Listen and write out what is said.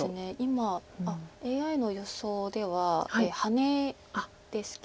今あっＡＩの予想ではハネですけど。